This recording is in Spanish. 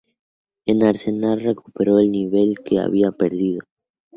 En Arsenal recuperó el nivel que había perdido.